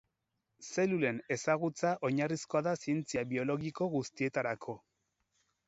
Zelulen ezagutza oinarrizkoa da zientzia biologiko guztietarako.